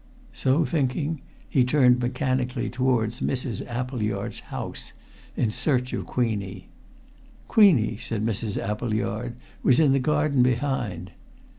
So thinking he turned mechanically towards Mrs. Appleyard's house, in search of Queenie. Queenie, said Mrs. Appleyard, was in the garden behind.